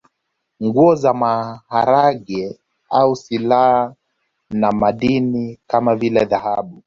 Nguo na maharage au silaha na madini kama vile dhahabu